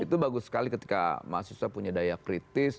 itu bagus sekali ketika mahasiswa punya daya kritis